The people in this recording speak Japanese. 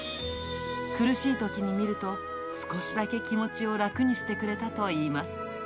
苦しいときに見ると、少しだけ気持ちを楽にしてくれたといいます。